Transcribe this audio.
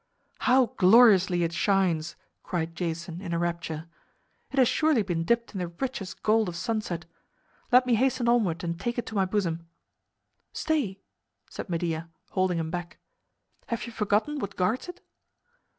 "How gloriously it shines!" cried Jason in a rapture. "It has surely been dipped in the richest gold of sunset. Let me hasten onward and take it to my bosom." "Stay," said Medea, holding him back. "Have you forgotten what guards it?"